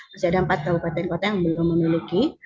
masih ada empat kabupaten kota yang belum memiliki